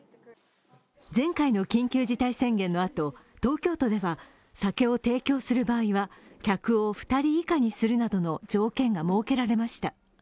前回の緊急事態宣言のあと東京都では酒を提供する場合は客を２人以下にするなどの条件が設けられました。